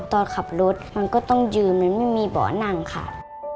ตอนขับรถมันก็ต้องยืนมันไม่มีเบาะนั่งค่ะ